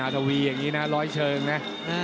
นาทอวีร้อยเชิงนะ